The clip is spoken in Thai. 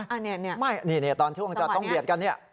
อันนี้อันนี้ตอนช่วงจะต้องเบียดกัน